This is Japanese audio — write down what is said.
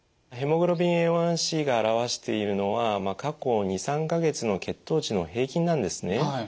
ヘモグロビンＡ１ｃが表しているのは過去２３か月の血糖値の平均なんですね。